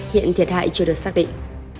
hiện thiệt hại chưa được xác định